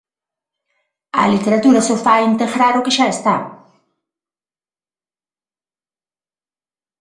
A literatura só fai integrar o que xa está.